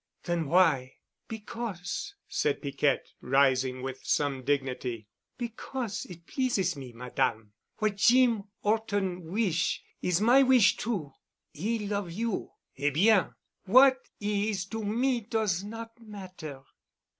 "Then why——?" "Because," said Piquette, rising with some dignity, "because it pleases me, Madame. What Jeem 'Orton wish'—is my wish too. 'E love you. Eh bien! What 'e is to me does not matter."